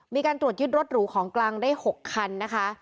มีการตรวจยึดรถหรูของกลางได้๖คันนะคะ